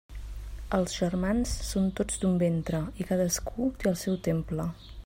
Els germans són tots d'un ventre, i cadascú té el seu temple.